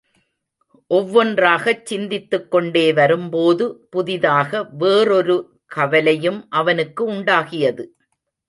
ஒவ்வொன்றாகச் சிந்தித்துக்கொண்டே வரும்போது, புதிதாக வேறொரு கவலையும் அவனுக்கு உண்டாகியது.